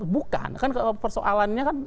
bukan kan persoalannya kan